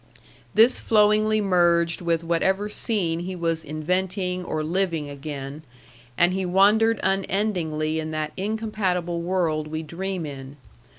This flowingly merged with whatever scene he was inventing or living again, and he wandered unendingly in that incompatible world we dream in.